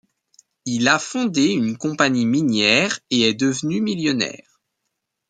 Il a fondé une compagnie minière et est devenu millionnaire.